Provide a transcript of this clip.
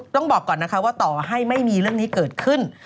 ต้องบอกก่อนนะคะว่าต่อให้ไม่มีเรื่องนี้เกิดขึ้น